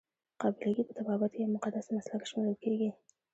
قابله ګي په طبابت کې یو مقدس مسلک شمیرل کیږي.